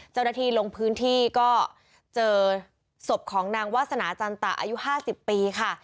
เจ้าหน้าที่ลงพื้นที่ก็เจอศพของนางวาสนาจันตะอายุ๕๐ปีค่ะ